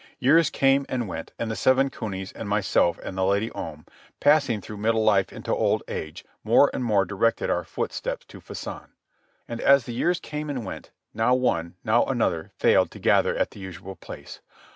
Years came and went, and the seven cunies and myself and the Lady Om, passing through middle life into old age, more and more directed our footsteps to Fusan. And as the years came and went, now one, now another failed to gather at the usual place.